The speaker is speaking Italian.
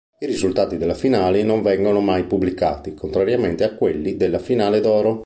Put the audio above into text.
I risultati della finale non vengono mai pubblicati, contrariamente a quelli della finale d'oro.